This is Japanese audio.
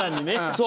そう。